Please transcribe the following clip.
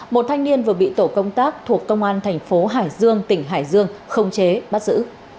một thanh niên vừa bị tổ công tác thuộc công an thành phố hải dương tỉnh hải dương không chế bắt giữ